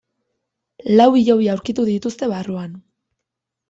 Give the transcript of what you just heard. Lau hilobi aurkitu dituzten barruan.